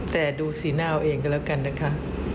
แต่ดูสีหน้าเอาเองก็แล้วกันนะคะ